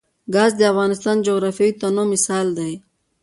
ګاز د افغانستان د جغرافیوي تنوع مثال دی.